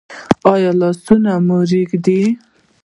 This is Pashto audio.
ایا لاسونه مو ریږدي؟